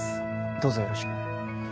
どうぞよろしく。